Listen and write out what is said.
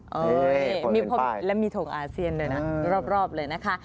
เฮ่ยเปลี่ยนไปแล้วมีถงอาเซียนด้วยนะรอบเลยนะคะ